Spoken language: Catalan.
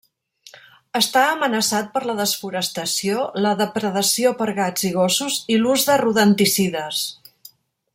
Està amenaçat per la desforestació, la depredació per gats i gossos i l'ús de rodenticides.